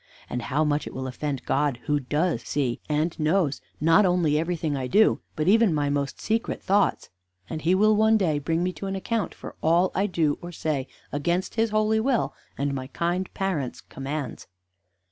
and how much it will offend God, who does see, and knows, not only everything I do, but even my most secret thoughts! And He will one day bring me to an account for all I do or say against His holy will and my kind parents' commands.'"